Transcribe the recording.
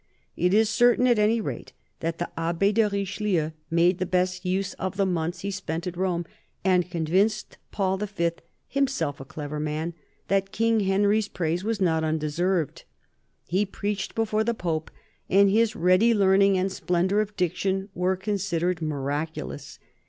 It is certain, at any rate, that the Abbe de Richelieu made the best use of the months he spent at Rome, and convinced Paul V., himself a clever man, that King Henry's praise was not undeserved. He preached before the Pope, and his ready learning and splendour of diction were con sidered miraculous.